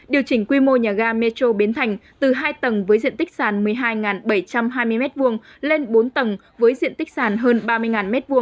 điều chỉnh quy mô nhà ga metro biến thành từ hai tầng với diện tích sàn một mươi hai bảy trăm hai mươi m hai lên bốn tầng với diện tích sàn hơn ba mươi m hai